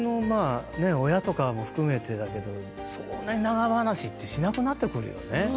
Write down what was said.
まあね親とかも含めてだけどそんなに長話ってしなくなってくるよね。